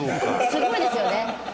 すごいですよね。